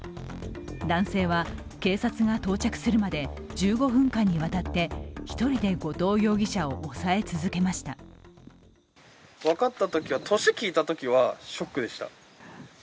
男性は警察が到着するまで１５分間にわたって１人で後藤容疑者を押さえ続けました。